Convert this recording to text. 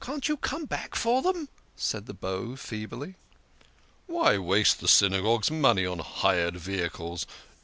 "Can't you come back for them?" said the Beau feebly. " Why waste the Synagogue's money on hired vehicles